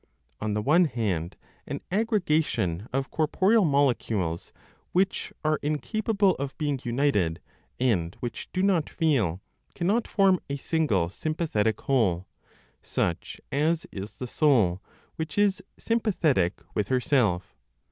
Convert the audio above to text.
On the one hand an aggregation of corporeal molecules which are incapable of being united, and which do not feel cannot form a single sympathetic whole such as is the soul, which is sympathetic with herself.